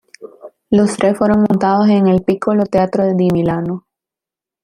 Los tres fueron montados en el Piccolo Teatro di Milano.